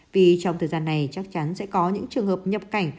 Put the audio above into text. vì trong thời gian này chắc chắn sẽ có những trường hợp nhập cảnh